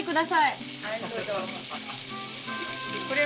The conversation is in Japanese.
はいどうぞ。